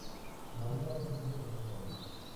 Maria ahora vive en Hawaii.